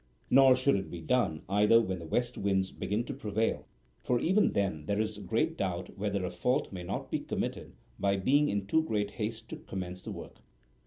Nor should it be done either when the west winds begin to prevail, for even then there is great doubt whether a fault may not be committed by being in too great haste to commence the work.